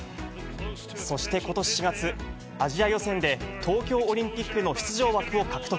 そしてことし４月、アジア予選で東京オリンピックへの出場枠を獲得。